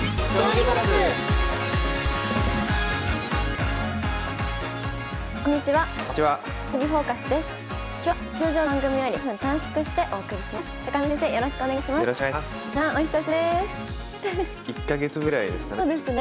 １か月ぶりぐらいですかね。